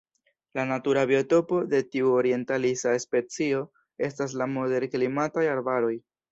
La natura biotopo de tiu orientalisa specio estas la moderklimataj arbaroj.